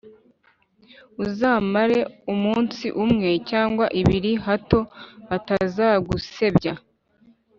uzamare umunsi umwe cyangwa ibiri hato batazagusebya,